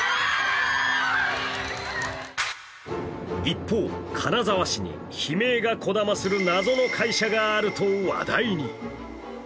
一方、金沢市に悲鳴がこだまする謎の会社があると話題に。